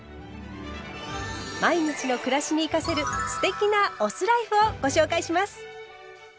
毎日の暮らしに生かせる“酢テキ”なお酢ライフをご紹介します。